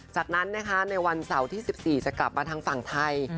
จากนั้นนะคะในวันเสาร์ที่๑๔จะกลับมาทางฝั่งไทย